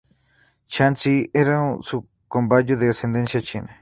Chan Sy era un camboyano de ascendencia china.